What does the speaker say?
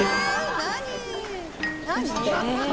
何？